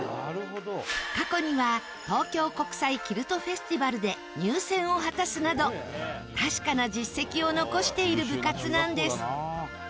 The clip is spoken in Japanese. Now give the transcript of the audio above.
過去には東京国際キルトフェスティバルで入選を果たすなど確かな実績を残している部活なんです